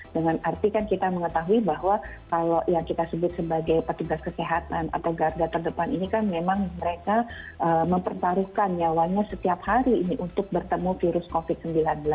dengan arti kan kita mengetahui bahwa kalau yang kita sebut sebagai petugas kesehatan atau garda terdepan ini kan memang mereka mempertaruhkan nyawanya setiap hari ini untuk bertemu virus covid sembilan belas